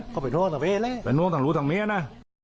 ก็ไปน้วงตรงนี้น่ะ